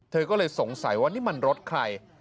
เธอก็เลยสงสัยว่านี่มันรถใคร